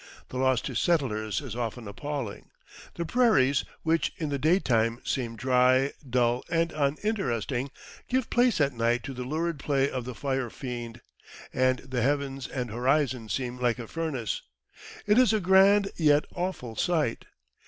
The loss to settlers is often appalling. The prairies, which in the day time seem dry, dull, and uninteresting, give place at night to the lurid play of the fire fiend, and the heavens and horizon seem like a furnace. It is a grand, yet awful sight.